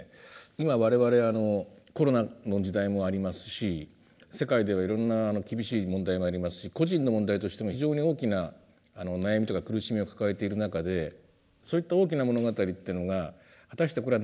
今我々コロナの時代もありますし世界ではいろんな厳しい問題もありますし個人の問題としても非常に大きな悩みとか苦しみを抱えている中でそういった大きな物語っていうのが果たしてこれは何なんだと。